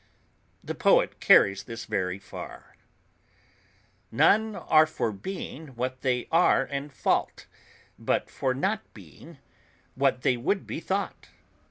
The poet carries this very far; None are for being what they are in fault, But for not being what they would be thought.